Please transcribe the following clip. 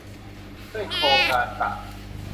ด้วยโครงการต่าง